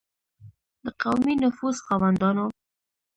د قومي نفوذ خاوندانو.